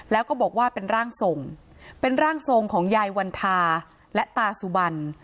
แล้วก็บอกว่าเป็นร่างทรงเป็นร่างทรงของยายวันทาและตาสุบัน